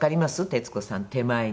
徹子さん手前に。